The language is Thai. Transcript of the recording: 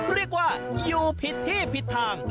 เรียกว่าอยู่ผิดที่ผิดทาง